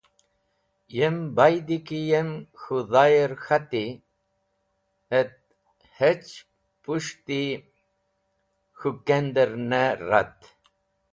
Yem baydi ki yem k̃hũ dhayer k̃hati et hech pũshti k̃hũ kender ne ret.